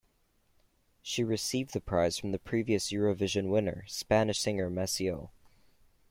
She received the prize from the previous Eurovision winner, Spanish singer Massiel.